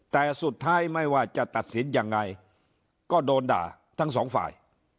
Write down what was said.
แต่สุดท้ายไม่ว่าจะตัดสินยังไงก็โดนด่าทั้งสองฝ่าย